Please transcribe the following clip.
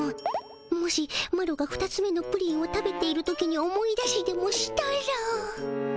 もしマロがふたつめのプリンを食べている時に思い出しでもしたら。